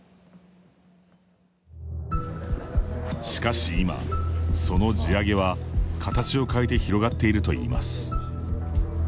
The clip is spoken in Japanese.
しかし今、その地上げは形を変えて広がっているといいます。